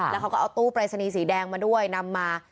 แล้วเขาก็เอาตู้ปรายศนีย์สีแดงมาด้วยนำมา